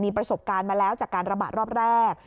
ประสบการณ์มาแล้วจากการระบาดรอบแรก